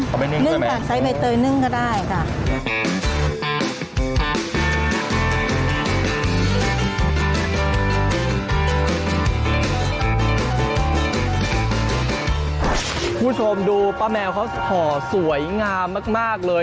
คุณผู้ชมดูป้าแมวเขาห่อสวยงามมากเลย